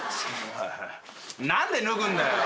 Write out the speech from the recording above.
何で脱ぐんだよ？